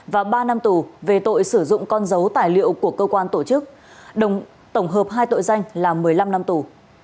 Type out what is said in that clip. và ba năm tù về tội sử dụng con dấu tài liệu của cơ quan tổ chức tổng hợp hai tội danh là một mươi năm năm tù